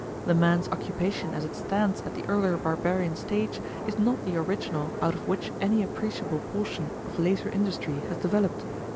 The man's occupation as it stands at the earlier barbarian stage is not the original out of which any appreciable portion of later industry has developed.